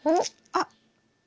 あっ！